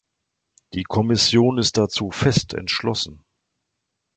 Die Kommission ist dazu fest entschlossen.